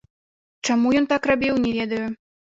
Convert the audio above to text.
Чаму ён так рабіў, не ведаю.